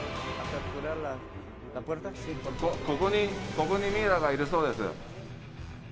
ここにミイラがいるそうです